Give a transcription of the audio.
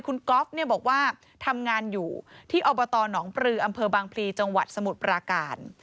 คุณก๊อฟเนี่ยบอกว่าทำงานอยู่ที่อบตหนองปลืออำเภอบางพลีจังหวัดสมุทรปราการ